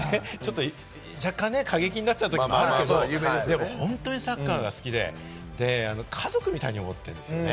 若干ね、過激になっちゃうときもあるかもしれないけれども、本当にサッカーが好きで、家族みたいに思ってんですよね。